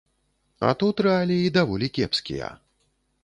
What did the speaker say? А тут рэаліі даволі кепскія.